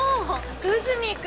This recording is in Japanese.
久住君。